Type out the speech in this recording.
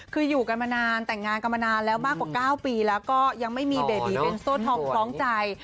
คืออยู่กันมานานแต่งงานกันมานานแล้วมากกว่า๙ปีแล้วก็ยังไม่มีเบบีเป็นโซ่ทองคล้องใจ